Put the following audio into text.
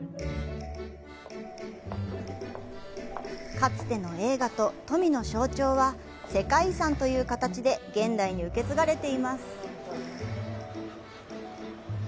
かつての栄華と富の象徴は、世界遺産という形で現代に受け継がれています。